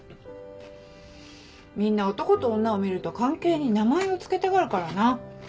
みんな男と女を見ると関係に名前を付けたがるからな。